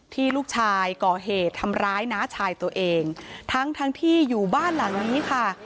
ที่ลูกชายก่อเหตุทำร้ายน้าชายตัวเองทั้งทั้งที่อยู่บ้านหลังนี้ค่ะ